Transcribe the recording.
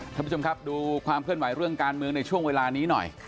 ท่านผู้ชมครับดูความเคลื่อนไหวเรื่องการเมืองในช่วงเวลานี้หน่อย